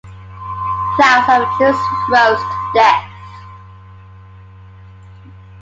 Thousands of Jews froze to death.